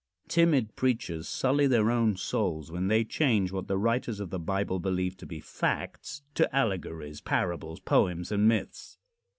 Timid preachers sully their own souls when they change what the writers of the Bible believed to be facts to allegories, parables, poems and myths.